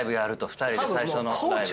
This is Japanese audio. ２人で最初のライブ。